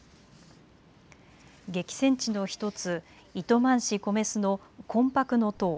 激戦地の１つ、糸満市米須の魂魄の塔。